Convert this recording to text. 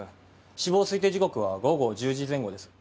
死亡推定時刻は午後１０時前後です。